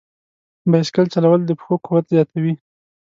بایسکل چلول د پښو قوت زیاتوي.